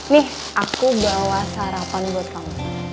nih aku bawa sarapan buat kamu